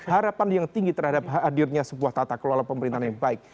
harapan yang tinggi terhadap hadirnya sebuah tata kelola pemerintahan yang baik